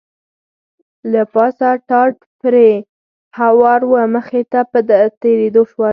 له پاسه ټاټ پرې هوار و، مخې ته په تېرېدو شول.